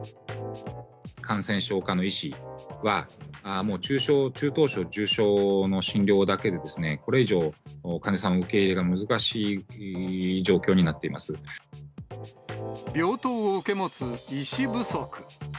感染症科の医師は、もう中等症、重症の診療だけで、これ以上、患者さんの受け入れが病棟を受け持つ医師不足。